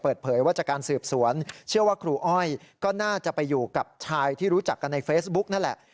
เปิดเผยว่าจากการสืบสวนเชื่อว่าครูอ้อยก็น่าจะไปอยู่กับชายที่รู้จักกันในเฟซบุ๊กนั่นแหละ